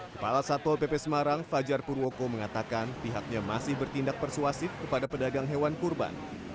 kepala satpol pp semarang fajar purwoko mengatakan pihaknya masih bertindak persuasif kepada pedagang hewan kurban